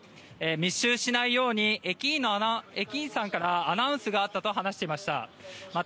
密集しないように駅員さんからアナウンスがあったと話していました。